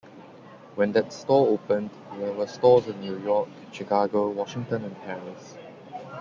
When that store opened, there were stores in New York, Chicago, Washington and Paris.